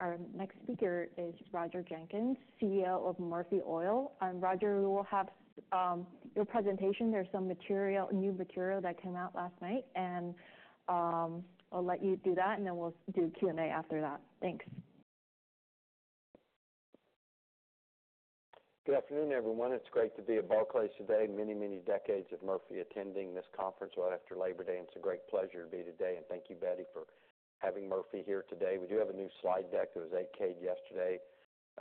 Our next speaker is Roger Jenkins, CEO of Murphy Oil. Roger, we will have your presentation. There's some material, new material that came out last night, and I'll let you do that, and then we'll do Q&A after that. Thanks. Good afternoon, everyone. It's great to be at Barclays today. Many, many decades of Murphy attending this conference right after Labor Day, and it's a great pleasure to be here today, and thank you, Betty, for having Murphy here today. We do have a new slide deck that was 8-K'd yesterday,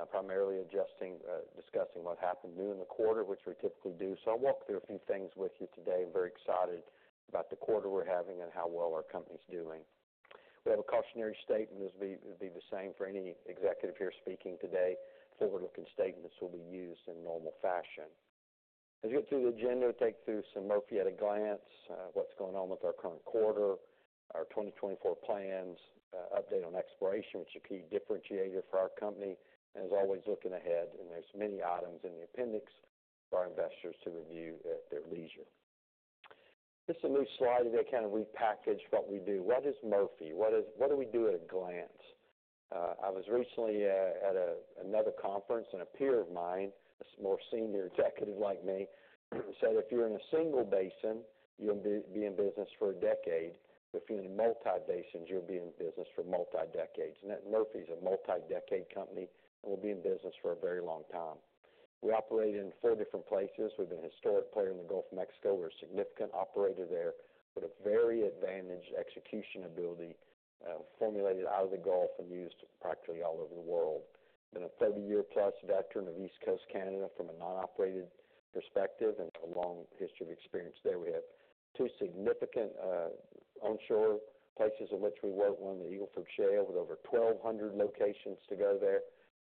primarily adjusting, discussing what happened new in the quarter, which we typically do. So I'll walk through a few things with you today. I'm very excited about the quarter we're having and how well our company's doing. We have a cautionary statement. This would be the same for any executive here speaking today. Forward-looking statements will be used in normal fashion. As we go through the agenda, take through some Murphy at a glance, what's going on with our current quarter, our 2024 plans, update on exploration, which is a key differentiator for our company, and as always, looking ahead, and there's many items in the appendix for our investors to review at their leisure. Just a new slide today, kind of repackage what we do. What is Murphy? What do we do at a glance? I was recently at another conference, and a peer of mine, a more senior executive like me, said, "If you're in a single basin, you'll be in business for a decade. But if you're in multi basins, you'll be in business for multi decades," and that Murphy's a multi-decade company, and we'll be in business for a very long time. We operate in four different places. We've been a historic player in the Gulf of Mexico. We're a significant operator there with a very advantaged execution ability, formulated out of the Gulf and used practically all over the world. Been a 30 year plus veteran of East Coast Canada from a non-operated perspective and a long history of experience there. We have two significant onshore places in which we work on the Eagle Ford Shale, with over 1,200 locations to go there.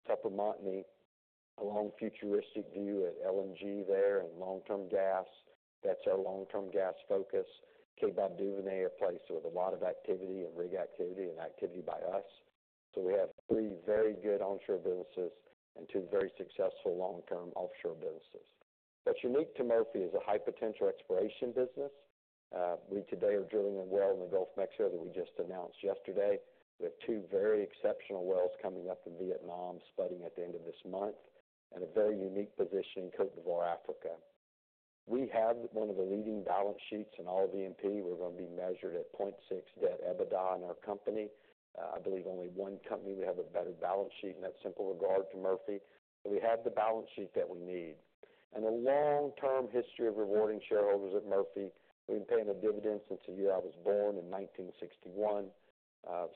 Tupper Montney, a long futuristic view at LNG there and long-term gas. That's our long-term gas focus. Kaybob Duvernay, a place with a lot of activity and rig activity and activity by us. So we have three very good onshore businesses and two very successful long-term offshore businesses. What's unique to Murphy is a high-potential exploration business. We today are drilling a well in the Gulf of Mexico that we just announced yesterday, with two very exceptional wells coming up in Vietnam, spudding at the end of this month, and a very unique position in Côte d'Ivoire, Africa. We have one of the leading balance sheets in all E&P. We're gonna be measured at 0.6 debt EBITDA in our company. I believe only one company may have a better balance sheet in that simple regard to Murphy. So we have the balance sheet that we need, and a long-term history of rewarding shareholders at Murphy. We've been paying a dividend since the year I was born in 1961.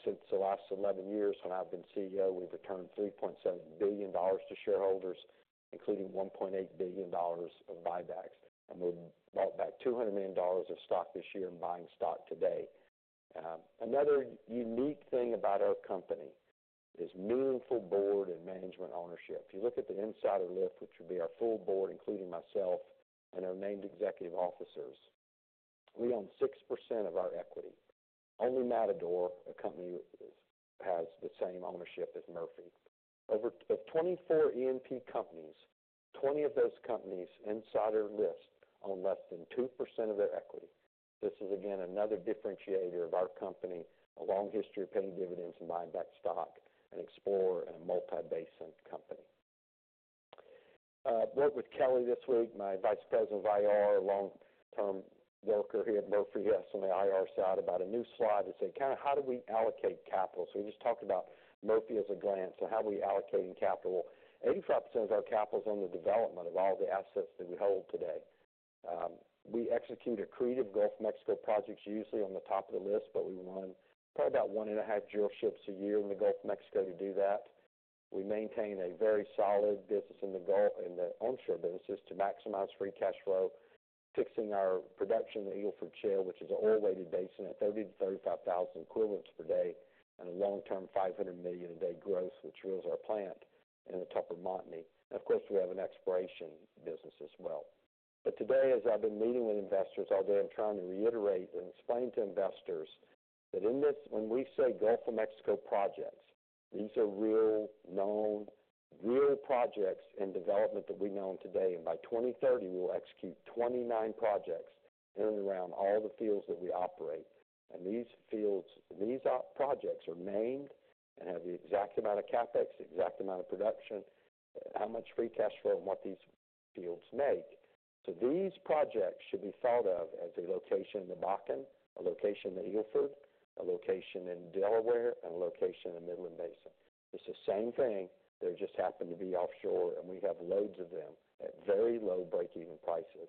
Since the last eleven years, when I've been CEO, we've returned $3.7 billion to shareholders, including $1.8 billion of buybacks, and we've bought back $200 million of stock this year in buying stock today. Another unique thing about our company is meaningful board and management ownership. If you look at the insider list, which would be our full board, including myself and our named executive officers, we own 6% of our equity. Only Matador, a company, has the same ownership as Murphy. Over the 24 E&P companies, 20 of those companies' insider list own less than 2% of their equity. This is again another differentiator of our company, a long history of paying dividends and buying back stock, and exploration in a multi-basin company. I worked with Kelly this week, my Vice President of IR, a long-term worker here at Murphy, yes, on the IR side, about a new slide that said, kind of, how do we allocate capital? So we just talked about Murphy at a glance, so how are we allocating capital? 85% of our capital is on the development of all the assets that we hold today. We execute accretive Gulf of Mexico projects, usually on the top of the list, but we run probably about one and a half drill ships a year in the Gulf of Mexico to do that. We maintain a very solid business in the Gulf, in the onshore businesses, to maximize free cash flow, fixing our production in the Eagle Ford Shale, which is an oil-related basin at 30-35 thousand equivalents per day, and a long-term 500 million a day growth, which fuels our plant in the Tupper Montney. Of course, we have an exploration business as well. But today, as I've been meeting with investors all day, I'm trying to reiterate and explain to investors that in this, when we say Gulf of Mexico projects, these are real, known, real projects in development that we know today, and by 2030, we'll execute 29 projects in and around all the fields that we operate. These fields, these projects are named and have the exact amount of CapEx, the exact amount of production, how much free cash flow and what these fields make. These projects should be thought of as a location in the Bakken, a location in the Eagle Ford, a location in Delaware, and a location in the Midland Basin. It's the same thing. They just happen to be offshore, and we have loads of them at very low breakeven prices.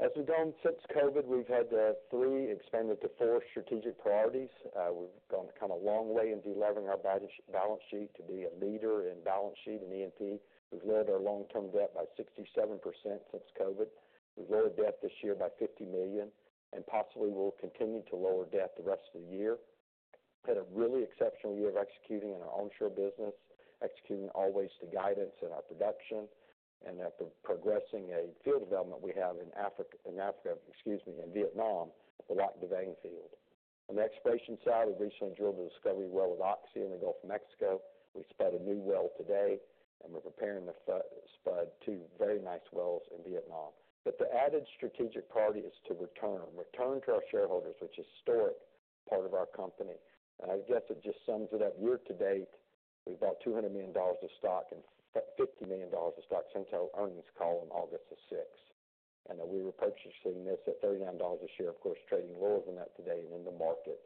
As we've done since COVID, we've had three expanded to four strategic priorities. We've gone kind of a long way in delevering our balance sheet to be a leader in balance sheet and E&P. We've lowered our long-term debt by 67% since COVID. We've lowered debt this year by $50 million and possibly will continue to lower debt the rest of the year. Had a really exceptional year of executing in our onshore business, executing all the ways to guidance in our production, and progressing a field development we have in Africa, excuse me, in Vietnam, the Lac Da Vang field. On the exploration side, we recently drilled a discovery well with Oxy in the Gulf of Mexico. We spudded a new well today, and we're preparing to spud two very nice wells in Vietnam. But the added strategic priority is to return to our shareholders, which is historic part of our company. I guess it just sums it up. Year to date, we've bought $200 million of stock, and $50 million of stock since our earnings call on August the sixth. And then we were purchasing this at $39 a share, of course, trading lower than that today in the market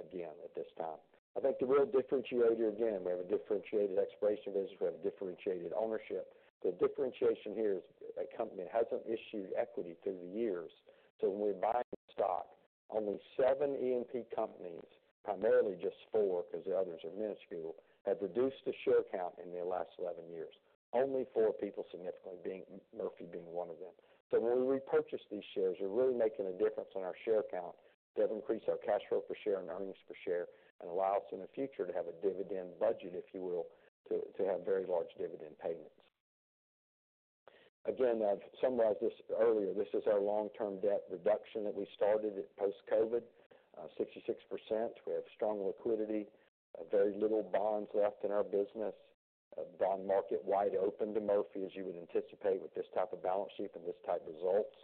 again at this time. I think the real differentiator here, again, we have a differentiated exploration business. We have a differentiated ownership. The differentiation here is a company that hasn't issued equity through the years. So when we're buying stock, only seven E&P companies, primarily just four, because the others are minuscule, have reduced the share count in their last eleven years. Only four people, significantly, being, Murphy being one of them. So when we repurchase these shares, we're really making a difference on our share count to increase our cash flow per share and earnings per share, and allow us in the future to have a dividend budget, if you will, to, to have very large dividend payments. Again, I've summarized this earlier. This is our long-term debt reduction that we started at post-COVID, 66%. We have strong liquidity, very little bonds left in our business. A bond market wide open to Murphy, as you would anticipate with this type of balance sheet and this type of results.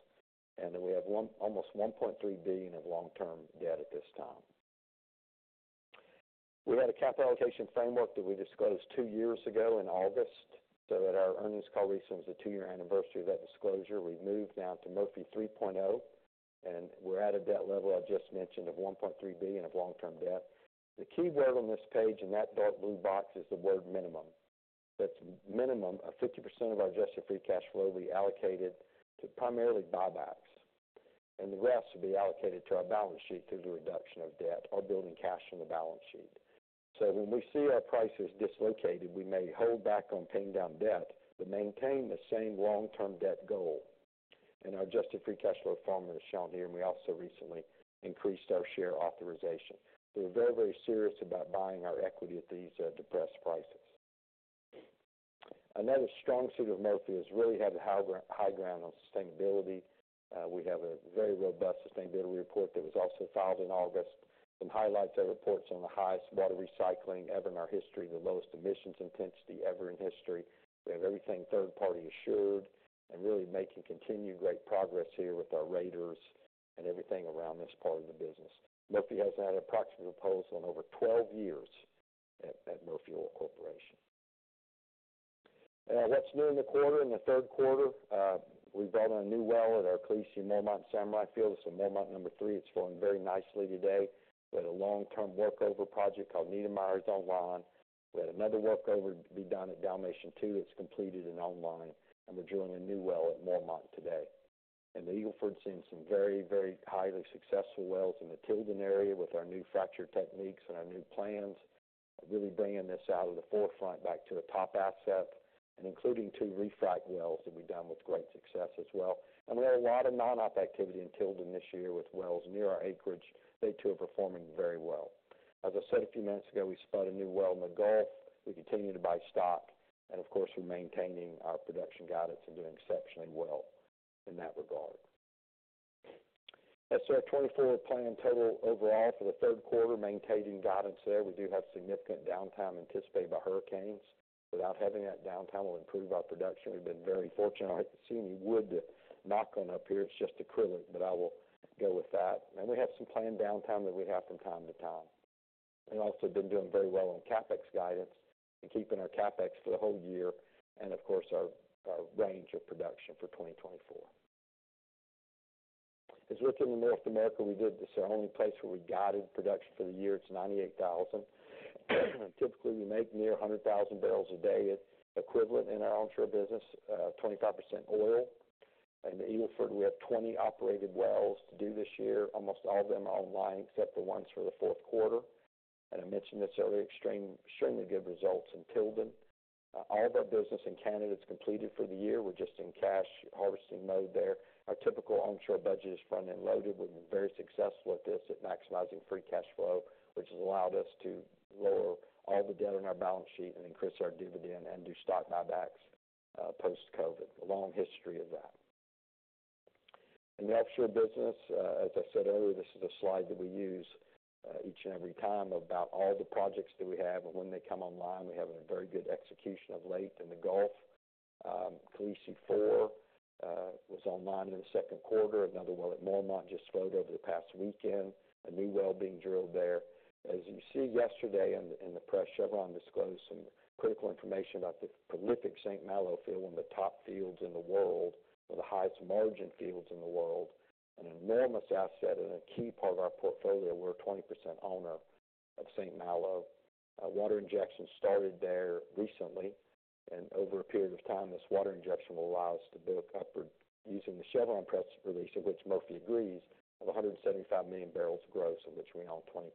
And then we have one, almost $1.3 billion of long-term debt at this time. We had a capital allocation framework that we disclosed two years ago in August, so at our earnings call recent, was the two-year anniversary of that disclosure. We've moved now to Murphy 3.0, and we're at a debt level I just mentioned, of $1.3 billion of long-term debt. The key word on this page in that dark blue box, is the word minimum. That's a minimum of 50% of our adjusted free cash flow will be allocated to primarily buybacks, and the rest will be allocated to our balance sheet through the reduction of debt or building cash on the balance sheet. When we see our prices dislocated, we may hold back on paying down debt, but maintain the same long-term debt goal. Our adjusted free cash flow formula is shown here, and we also recently increased our share authorization. We're very, very serious about buying our equity at these depressed prices. Another strong suit of Murphy is really have the high ground on sustainability. We have a very robust sustainability report that was also filed in August. Some highlights of reports on the highest water recycling ever in our history, the lowest emissions intensity ever in history. We have everything third-party assured and really making continued great progress here with our raters and everything around this part of the business. Murphy hasn't had a proxy proposal in over 12 years at, at Murphy Oil Corporation. What's new in the quarter? In the third quarter, we brought on a new well at our Khaleesi Mormont Samurai field. It's a Mormont number 3. It's flowing very nicely today. We had a long-term workover project called Niedermeyer online. We had another workover be done at Dalmatian 2, that's completed and online, and we're drilling a new well at Mormont today. In the Eagle Ford, we've seen some very, very highly successful wells in the Tilden area with our new fracture techniques and our new plans, really bringing this out of the forefront back to a top asset, and including two refrac wells that we've done with great success as well, and we had a lot of non-op activity in Tilden this year with wells near our acreage. They, too, are performing very well. As I said a few minutes ago, we spudded a new well in the Gulf. We continue to buy stock, and of course, we're maintaining our production guidance and doing exceptionally well in that regard. That's our 2024 plan total overall for the third quarter, maintaining guidance there. We do have significant downtime anticipated by hurricanes. Without having that downtime will improve our production. We've been very fortunate. I haven't seen any wood to knock on up here. It's just acrylic, but I will go with that. And we have some planned downtime that we have from time to time, and also been doing very well on CapEx guidance and keeping our CapEx for the whole year, and of course, our range of production for 2024. As we look in the North America, we did this, our only place where we guided production for the year, it's 98,000. Typically, we make near 100,000 barrels a day, equivalent in our onshore business, 25% oil. In the Eagle Ford, we have 20 operated wells to do this year. Almost all of them are online, except for ones for the fourth quarter. And I mentioned this earlier, extremely good results in Tilden. All of our business in Canada is completed for the year. We're just in cash harvesting mode there. Our typical onshore budget is front-end loaded. We've been very successful at this, at maximizing free cash flow, which has allowed us to lower all the debt on our balance sheet and increase our dividend and do stock buybacks, post-COVID. A long history of that. In the offshore business, as I said earlier, this is a slide that we use, each and every time about all the projects that we have and when they come online. We're having a very good execution of late in the Gulf. Kodiak-4 was online in the second quarter. Another well at Mormont just flowed over the past weekend, a new well being drilled there. As you see yesterday in the press, Chevron disclosed some critical information about the prolific St. Malo field, one of the top fields in the world, or the highest margin fields in the world, an enormous asset and a key part of our portfolio. We're a 20% owner of St. Malo. Water injection started there recently, and over a period of time, this water injection will allow us to build upward using the Chevron press release, of which Murphy agrees, 175 million barrel gross, of which we own 20%.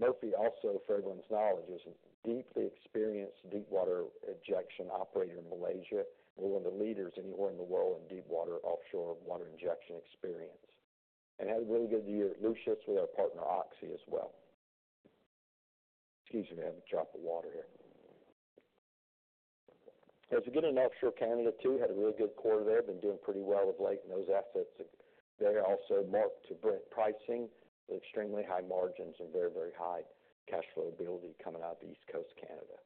Murphy, also, for everyone's knowledge, is a deeply experienced deepwater injection operator in Malaysia, and one of the leaders anywhere in the world in deepwater offshore water injection experience, and had a really good year at Lucius, with our partner, Oxy, as well. Excuse me, I have a drop of water here. As we get into offshore Canada, too, had a really good quarter there. Been doing pretty well of late, and those assets, they also mark to Brent pricing, extremely high margins and very, very high cash flow ability coming out of the East Coast of Canada.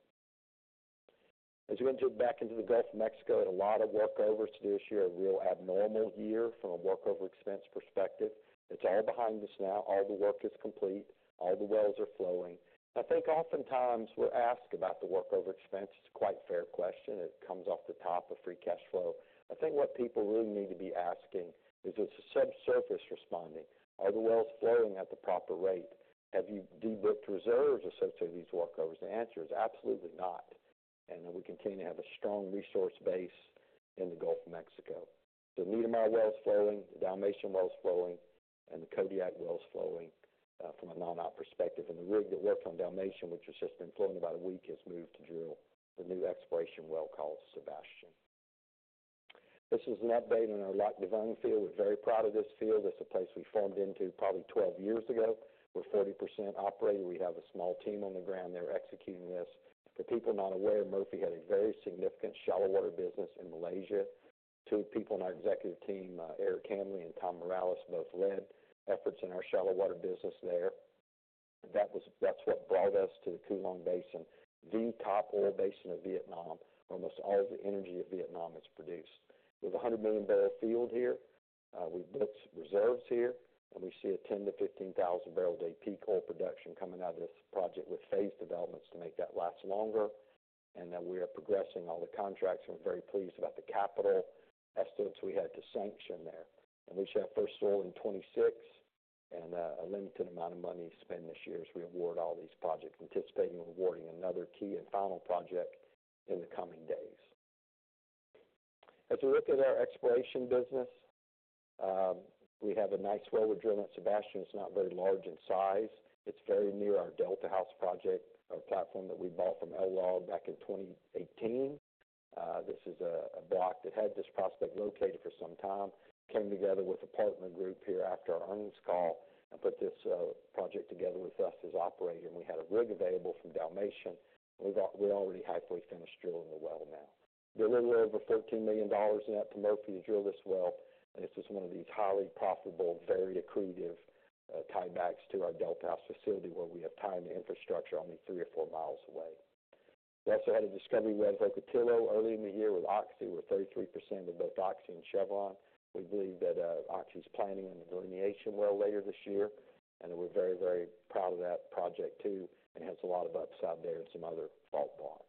As we went back into the Gulf of Mexico, had a lot of workovers to do this year, a real abnormal year from a workover expense perspective. It's all behind us now. All the work is complete. All the wells are flowing. I think oftentimes we're asked about the workover expense. It's a quite fair question. It comes off the top of free cash flow. I think what people really need to be asking is, is the subsurface responding? Are the wells flowing at the proper rate? Have you de-booked reserves associated with these workovers? The answer is absolutely not, and we continue to have a strong resource base in the Gulf of Mexico. The Marmalard well is flowing, the Dalmatian well is flowing, and the Kodiak well is flowing from a non-op perspective, and the rig that worked on Dalmatian, which has just been flowing about a week, has moved to drill the new exploration well called Sebastian. This is an update on our Lac Da Vang field. We're very proud of this field. It's a place we farmed into probably 12 years ago. We're a 40% operator. We have a small team on the ground there executing this. For people not aware, Murphy had a very significant shallow water business in Malaysia. Two people in our executive team, Eric Hambly and Tom Mireles, both led efforts in our shallow water business there. That's what brought us to the Cuu Long Basin, the top oil basin of Vietnam, where almost all of the energy of Vietnam is produced. There's a 100 million barrel field here. We've booked reserves here, and we see a 10,000 bbl-15,000 bbl a day peak oil production coming out of this project, with phase developments to make that last longer. And then we are progressing all the contracts. We're very pleased about the capital estimates we had to sanction there. And we should have first oil in 2026, and a limited amount of money spent this year as we award all these projects, anticipating awarding another key and final project in the coming days. As we look at our exploration business, we have a nice well we've drilled, Sebastian. It's not very large in size. It's very near our Delta House project, or platform that we bought from Oxy back in 2018. This is a block that had this prospect located for some time, came together with a partner group here after our earnings call, and put this project together with us as operator, and we had a rig available from Dalmatian. We've got. We're already halfway finished drilling the well now. We're a little over $13 million into Murphy to drill this well, and this is one of these highly profitable, very accretive, tie-backs to our Delta House facility, where we have tying the infrastructure only three or four miles away. We also had a discovery well at Ocotillo early in the year with Oxy. We're 33% in both Oxy and Chevron. We believe that, Oxy's planning on a delineation well later this year, and we're very, very proud of that project too. It has a lot of upside there and some other fault blocks.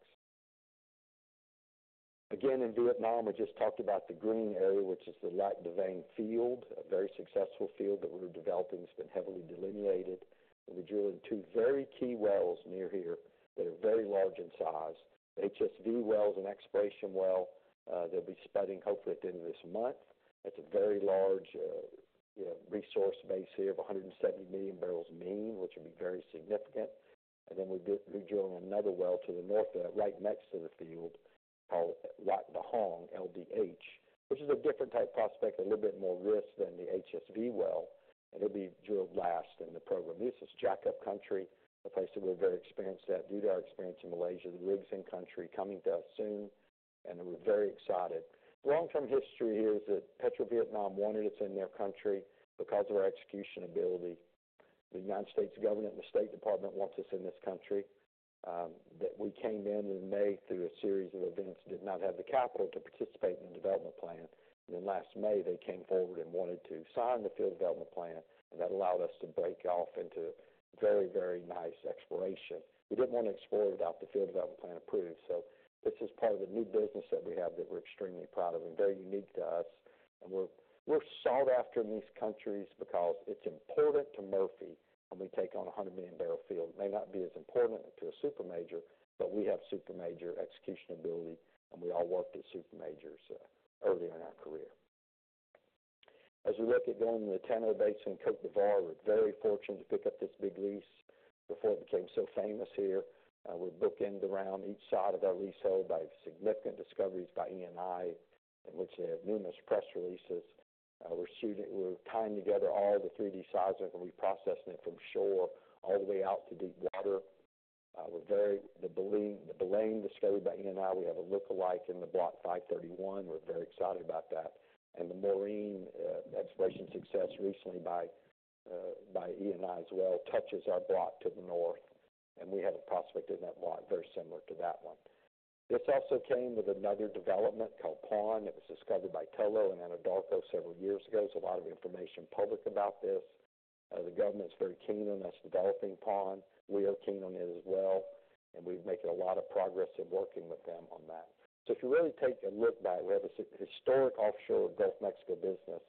Again, in Vietnam, we just talked about the green area, which is the Lac Da Vang field, a very successful field that we're developing. It's been heavily delineated, and we drilled two very key wells near here that are very large in size. HSV well is an exploration well, they'll be spudding hopefully at the end of this month. It's a very large, resource base here of 170 million barrels mean, which will be very significant. And then we're drilling another well to the north of that, right next to the field, called Lac Da Hong, LDH, which is a different type of prospect, a little bit more risk than the HSV well, and it'll be drilled last in the program. This is Jackup country, a place that we're very experienced at due to our experience in Malaysia. The rig's in country, coming to us soon, and we're very excited. Long-term history here is that PetroVietnam wanted us in their country because of our execution ability. The United States government and the State Department wants us in this country, that we came in in May through a series of events, did not have the capital to participate in the development plan. Last May, they came forward and wanted to sign the field development plan, and that allowed us to break off into very, very nice exploration. We didn't want to explore without the field development plan approved, so this is part of the new business that we have that we're extremely proud of and very unique to us. We're sought after in these countries because it's important to Murphy when we take on a 100 million-barrel field. It may not be as important to a super major, but we have super major execution ability, and we all worked at super majors earlier in our career. As we look at going in the Tano Basin, Côte d'Ivoire, we're very fortunate to pick up this big lease before it became so famous here. We're bookending around each side of our leasehold by significant discoveries by Eni, in which they have numerous press releases. We're tying together all the 3D seismic, and we're processing it from shore all the way out to deep water. The Baleine, the Baleine discovery by Eni, we have a lookalike in the Block CI-531. We're very excited about that. The Murene exploration success recently by Eni as well touches our block to the north, and we have a prospect in that block very similar to that one. This also came with another development called Paon. It was discovered by Tullow and Anadarko several years ago. There's a lot of information public about this. The government is very keen on us developing Paon. We are keen on it as well, and we're making a lot of progress in working with them on that. So if you really take a look, we have a historic offshore Gulf of Mexico business,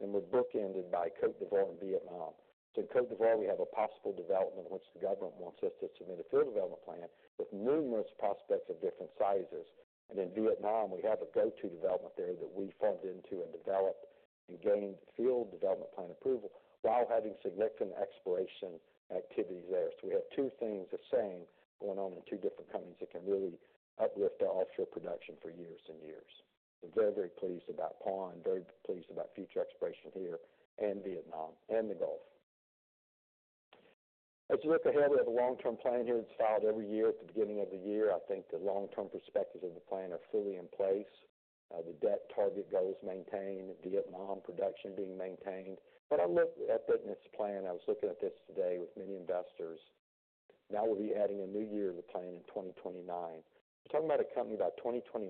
and we're bookended by Côte d'Ivoire and Vietnam. So in Côte d'Ivoire, we have a possible development in which the government wants us to submit a field development plan with numerous prospects of different sizes. And in Vietnam, we have a go-to development there that we farmed into and developed and gained field development plan approval while having significant exploration activities there. So we have two things the same, going on in two different countries that can really uplift our offshore production for years and years. We're very, very pleased about Paon, very pleased about future exploration here in Vietnam and the Gulf. As you look ahead, we have a long-term plan here. It's filed every year at the beginning of the year. I think the long-term perspectives of the plan are fully in place, the debt target goals maintained, Vietnam production being maintained. But I looked at five-year plan. I was looking at this today with many investors. Now we'll be adding a new year to the plan in 2029. We're talking about a company, by 2029,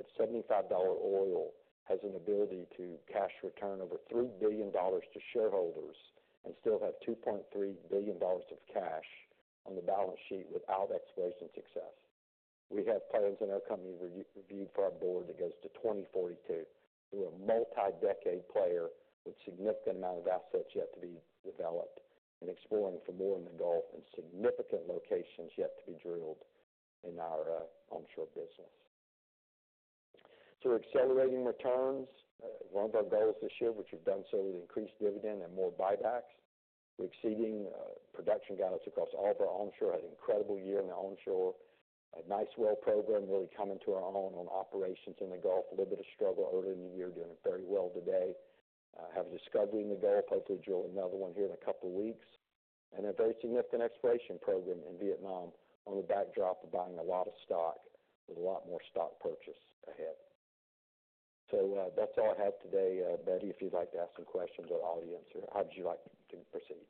at $75 oil, has an ability to cash return over $3 billion to shareholders and still have $2.3 billion of cash on the balance sheet without exploration success. We have plans in our company reviewed by our board that goes to 2042. We're a multi-decade player with significant amount of assets yet to be developed, and exploring for more in the Gulf, and significant locations yet to be drilled in our onshore business. So we're accelerating returns. One of our goals this year, which we've done so, is increase dividend and more buybacks. We're exceeding production guidance across all of our onshore. Had an incredible year in the onshore, a nice well program, really coming to our own on operations in the Gulf. A little bit of struggle earlier in the year, doing very well today. Have discovery in the Gulf, hope to drill another one here in a couple of weeks, and a very significant exploration program in Vietnam on the backdrop of buying a lot of stock, with a lot more stock purchase ahead. So that's all I have today. Betty, if you'd like to ask some questions, or audience, or how would you like to proceed?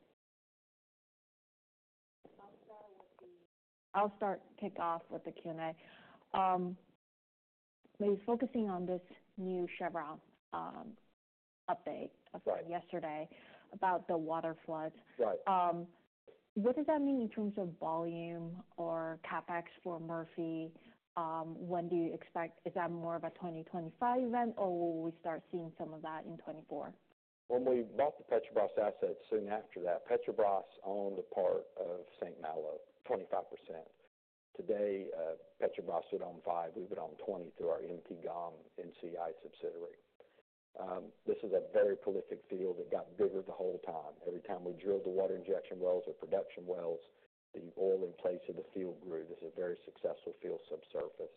I'll start, kick off with the Q&A. Maybe focusing on this new Chevron update. Right. of yesterday about the waterflood. Right. What does that mean in terms of volume or CapEx for Murphy? When do you expect is that more of a 2025 event, or will we start seeing some of that in 2024? When we bought the Petrobras assets, soon after that, Petrobras owned a part of St. Malo, 25%. Today, Petrobras would own 5%. We would own 20% through our MP GOM NCI subsidiary. This is a very prolific field that got bigger the whole time. Every time we drilled the water injection wells or production wells, the oil in place of the field grew. This is a very successful field subsurface.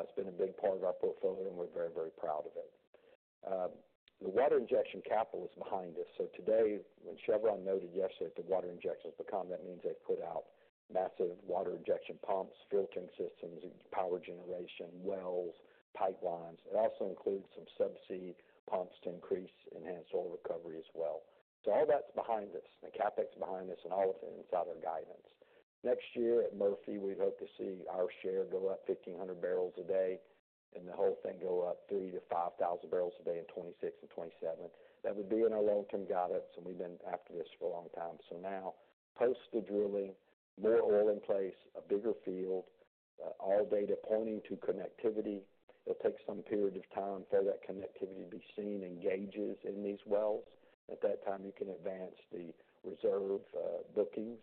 It's been a big part of our portfolio, and we're very, very proud of it. The water injection capital is behind us. So today, when Chevron noted yesterday at the water injections, become that means they've put out massive water injection pumps, filtering systems, power generation, wells, pipelines. It also includes some subsea pumps to increase enhanced oil recovery as well. So all that's behind us, the CapEx is behind us, and all of it is inside our guidance. Next year, at Murphy, we hope to see our share go up 1,500 bbl a day, and the whole thing go up 3,000-5,000 bbl a day in 2026 and 2027. That would be in our long-term guidance, and we've been after this for a long time. So now, post the drilling, more oil in place, a bigger field, all data pointing to connectivity. It'll take some period of time for that connectivity to be seen in gauges in these wells. At that time, you can advance the reserve, bookings,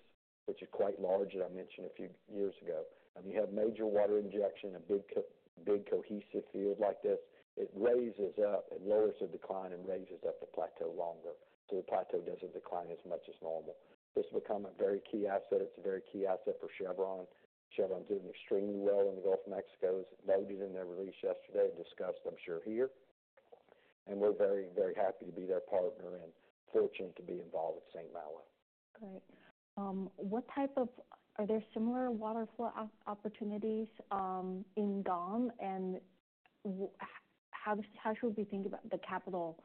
which are quite large, and I mentioned a few years ago. When you have major water injection, a big cohesive field like this, it raises up and lowers the decline and raises up the plateau longer, so the plateau doesn't decline as much as normal. This has become a very key asset. It's a very key asset for Chevron. Chevron is doing extremely well in the Gulf of Mexico. It's noted in their release yesterday, discussed, I'm sure, here, and we're very, very happy to be their partner and fortunate to be involved with St. Malo. Great. Are there similar water flood opportunities in GOM? And how should we think about the capital,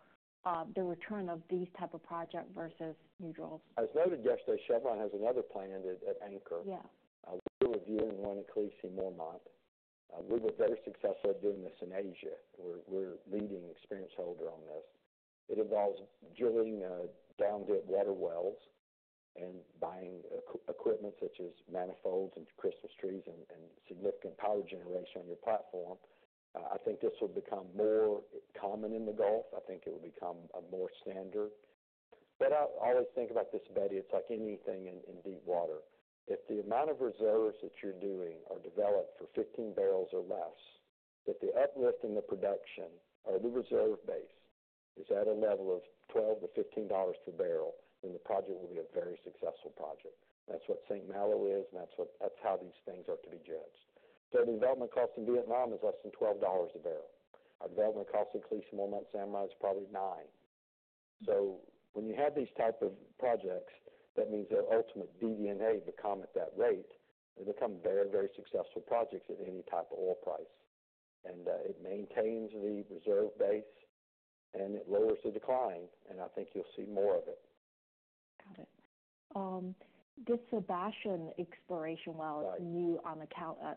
the return of these type of project versus new drills? As noted yesterday, Chevron has another plan at Anchor. Yeah. We're reviewing one in Khaleesi Mormont. We were very successful at doing this in Asia. We're leading experienced holder on this. It involves drilling subsea water wells and buying equipment such as manifolds and Christmas trees and significant power generation on your platform. I think this will become more common in the Gulf. I think it will become a more standard. But I always think about this, Betty, it's like anything in deep water. If the amount of reserves that you're doing are developed for $15 or less, if the uplift in the production or the reserve base is at a level of $12-$15 per barrel, then the project will be a very successful project. That's what St. Malo is, and that's how these things are to be judged. The development cost in Vietnam is less than $12 a barrel. Our development cost in Khaleesi, Mormont, Samurai, is probably $9. So when you have these type of projects, that means their ultimate DD&A become at that rate, they become very, very successful projects at any type of oil price. And it maintains the reserve base, and it lowers the decline, and I think you'll see more of it. Got it. This Sebastian exploration well. Right.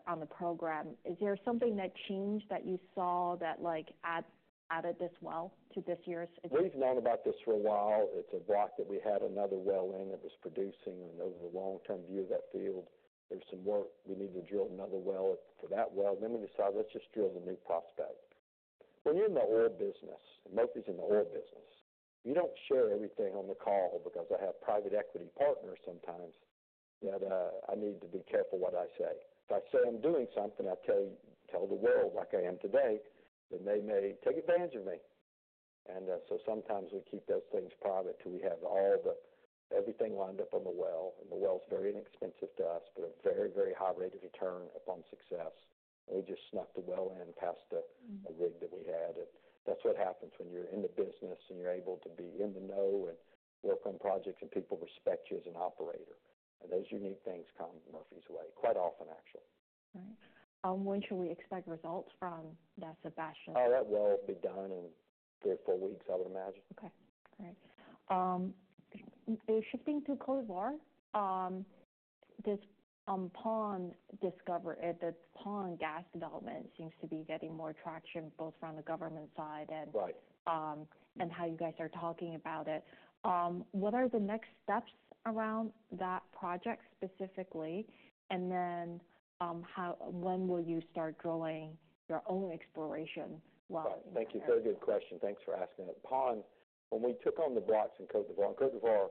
On the program, is there something that changed that you saw that, like, added this well to this year's? We've known about this for a while. It's a rock that we had another well in that was producing, and over the long-term view of that field, there's some work. We need to drill another well for that well. Then we decided, let's just drill the new prospect. When you're in the oil business, Murphy's in the oil business, you don't share everything on the call because I have private equity partners sometimes, that, I need to be careful what I say. If I say I'm doing something, I tell the world like I am today, then they may take advantage of me, and so sometimes we keep those things private till we have everything lined up on the well. And the well's very inexpensive to us, but a very, very high rate of return upon success. We just snuck the well in. That's what happens when you're in the business, and you're able to be in the know and work on projects, and people respect you as an operator, and those unique things come Murphy's way, quite often, actually. Right. When should we expect results from that Sebastian? Oh, that will be done in three or four weeks, I would imagine. Okay, great. Shifting to Côte d'Ivoire, the Paon gas development seems to be getting more traction, both from the government side and. Right. And how you guys are talking about it. What are the next steps around that project specifically, and then, when will you start growing your own exploration well? Right. Thank you. Very good question. Thanks for asking it. Point, when we took on the blocks in Côte d'Ivoire,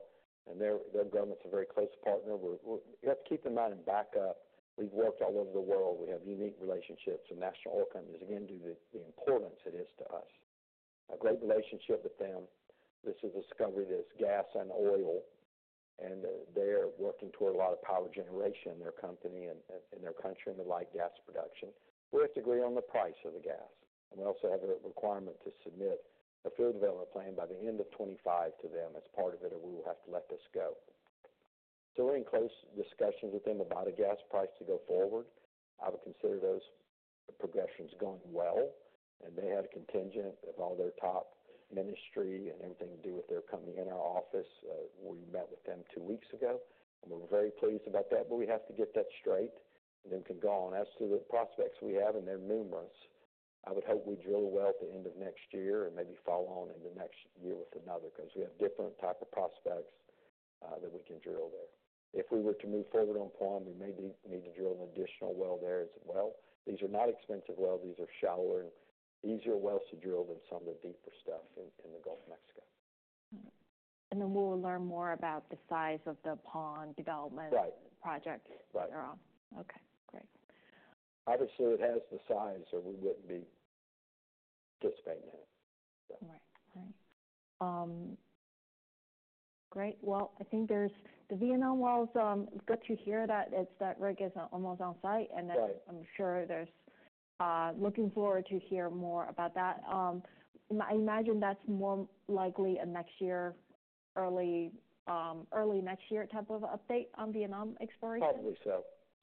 and their government's a very close partner. We're you have to keep in mind and back up, we've worked all over the world. We have unique relationships with national oil companies, again, due to the importance it is to us. A great relationship with them. This is a discovery that's gas and oil, and they're working toward a lot of power generation in their company and in their country, and they like gas production. We have to agree on the price of the gas, and we also have a requirement to submit a field development plan by the end of 2025 to them as part of it, or we will have to let this go. So we're in close discussions with them about a gas price to go forward. I would consider those progressions going well, and they had a contingent of all their top ministry and everything to do with their company in our office. We met with them two weeks ago, and we're very pleased about that, but we have to get that straight, and then can go on. As to the prospects we have, and they're numerous, I would hope we drill a well at the end of next year and maybe follow on in the next year with another, 'cause we have different type of prospects, that we can drill there. If we were to move forward on Paon, we may need to drill an additional well there as well. These are not expensive wells. These are shallower and easier wells to drill than some of the deeper stuff in the Gulf of Mexico. And then we'll learn more about the size of the Paon development. Right. Project later on. Right. Okay, great. Obviously, it has the size, or we wouldn't be participating in it. Right. Great. Well, I think there's the Vietnam wells, good to hear that it's, that rig is almost on site, and then. Right. I'm sure there's looking forward to hear more about that. I imagine that's more likely a next year, early, early next year, type of update on Vietnam exploration? Probably so.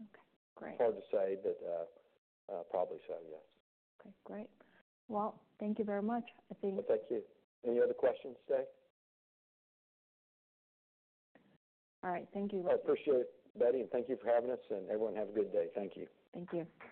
Okay, great. It's hard to say, but probably so, yes. Okay, great. Well, thank you very much. I think. Thank you. Any other questions today? All right, thank you. I appreciate it, Betty, and thank you for having us, and everyone have a good day. Thank you. Thank you.